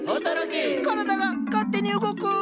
体が勝手に動く！